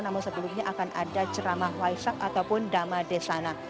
namun sebelumnya akan ada ceramah waisak ataupun damadesana